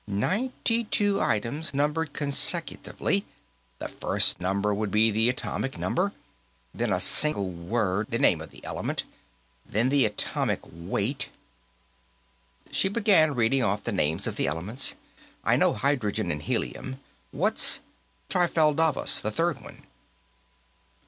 "Ninety two items, numbered consecutively. The first number would be the atomic number. Then a single word, the name of the element. Then the atomic weight " She began reading off the names of the elements. "I know hydrogen and helium; what's tirfalddavas, the third one?"